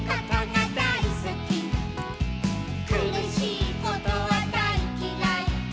「くるしいことはだいきらい」